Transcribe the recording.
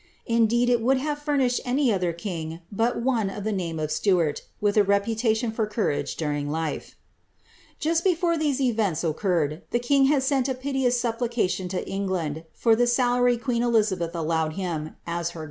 Indeed^ it would have furnished any other king, but one of the name of Stuart, with a reputation for courage during life. Jnst before these events occurred, the king had sent a piteous suppli cation to England, for the salary queen Elizabeth allowed him, as her * The king of Denmark was, till 1814, likewise king of Norway.